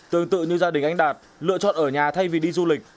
tương tự như gia đình anh đạt lựa chọn ở nhà thay vì đi du lịch